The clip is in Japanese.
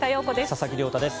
佐々木亮太です。